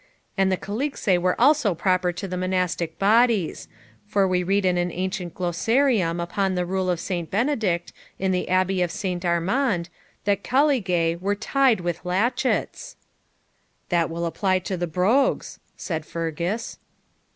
And the caligae were also proper to the monastic bodies; for we read in an ancient glossarium upon the rule of Saint Benedict, in the Abbey of Saint Amand, that caligae were tied with latchets.' 'That will apply to the brogues,' said Fergus.